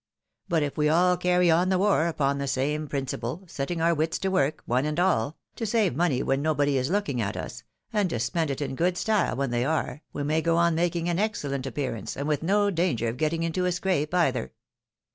But if we all carry on the war upon the same principle, setting our wits to work, one and all, to save money when no body is looking at us, and to spend it in good style when they are, we may go on making an excellent appearance, and with no danger of getting into a scrape either.